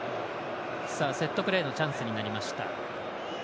セットプレーのチャンスになりました。